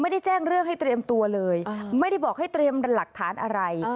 แจ้งเรื่องให้เตรียมตัวเลยไม่ได้บอกให้เตรียมหลักฐานอะไร